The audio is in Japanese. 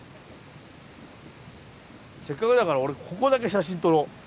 せっかくだから俺ここだけ写真撮ろ。